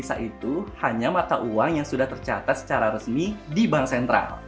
karena yang bisa disebut sebagai defisa itu hanya mata uang yang sudah tercatat secara resmi di bank sentral